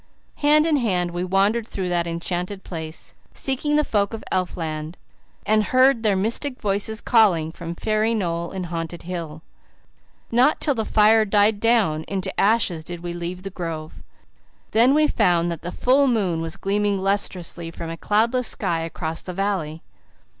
Hand in hand we wandered through that enchanted place, seeking the folk of elf land, "and heard their mystic voices calling, from fairy knoll and haunted hill." Not till the fire died down into ashes did we leave the grove. Then we found that the full moon was gleaming lustrously from a cloudless sky across the valley.